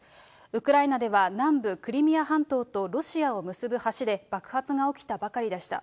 ウクライナでは、南部クリミア半島とロシアを結ぶ橋で爆発が起きたばかりでした。